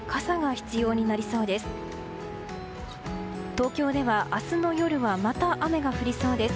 東京では明日の夜はまた雨が降りそうです。